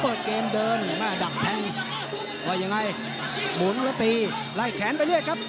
เปิดเกมเดินมาดักแทงว่ายังไงหมุนแล้วตีไล่แขนไปเรื่อยครับ